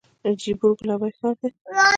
جیپور ګلابي ښار دی.